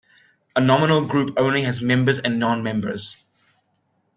A nominal group only has members and non-members.